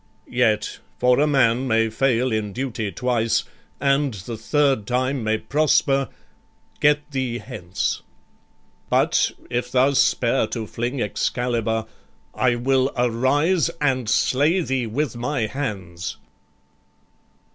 Yet, for a man may fail in duty twice, And the third time may prosper, get thee hence: But, if thou spare to fling Excalibur, I will arise and slay thee with my hands."